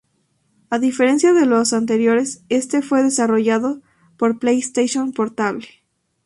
A diferencia de los anteriores este fue desarrollado para PlayStation Portable.